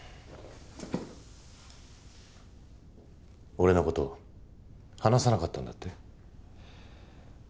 俺の事話さなかったんだって？